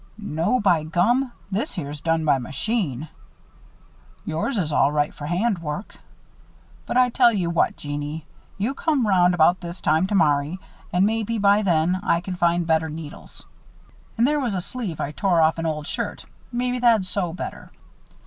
"No, by gum! This here's done by machine. Yours is all right for hand work. But I tell ye what, Jeannie. You come round about this time tomorry and maybe, by then, I can find better needles. An' there was a sleeve I tore off an old shirt maybe that'd sew better."